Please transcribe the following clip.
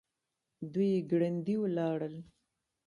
دوی ګړندي ولاړل.